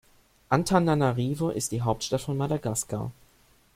Antananarivo ist die Hauptstadt von Madagaskar.